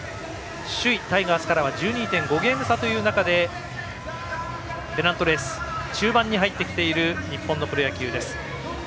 首位、タイガースからは１２．５ゲーム差という中でペナントレース中盤に入ってきている日本のプロ野球です。